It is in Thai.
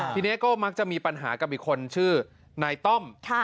ทีนี้ก็มักจะมีปัญหากับอีกคนชื่อนายต้อม